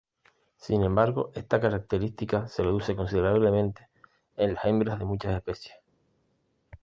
Sin embargo, esta característica se reduce considerablemente en las hembras de muchas especies.